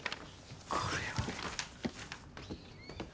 これは。